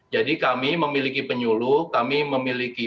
jadi kami memiliki penyuluh kami memiliki